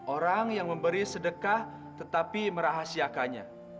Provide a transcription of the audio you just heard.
orang yang memberi sedekah tetapi merahasiakannya